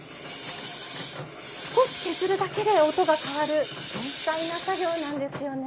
少し削るだけで音が変わる繊細な作業なんですよね。